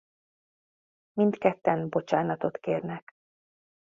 Mindketten bocsánatot kérnek.